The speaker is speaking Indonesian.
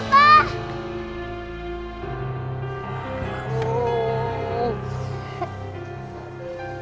mereka jemput aku